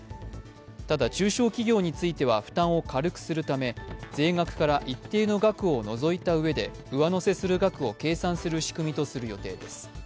ただ、中小企業については負担を軽くするため税額から一定の額を除いたうえで上乗せする額を計算する仕組みとする予定です。